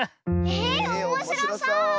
えおもしろそう！